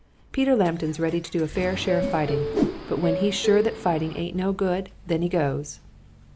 Peter Lambton's ready to do a fair share of fighting, but when he's sure that fighting aint no good, then he goes."